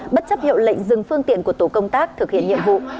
bất chấp hiệu lệnh dừng phương tiện của tổ công tác thực hiện nhiệm vụ